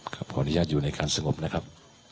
ขออนุญาตอยู่ในการสงบนะครับ